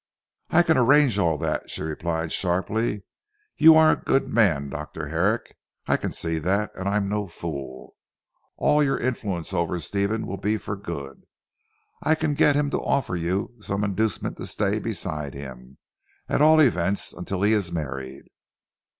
"I can arrange all that," she replied sharply. "You are a good man Dr. Herrick. I can see that; and I'm no fool. All your influence over Stephen will be for good. I can get him to offer you some inducement to stay beside him at all events until he is married."